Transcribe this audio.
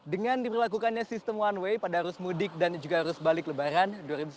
dengan diperlakukannya sistem one way pada arus mudik dan juga arus balik lebaran dua ribu sembilan belas